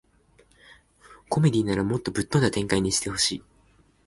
コメディならもっとぶっ飛んだ展開にしてほしい